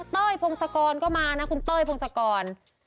เต้ยพงศกรก็มานะคุณเต้ยพงศกร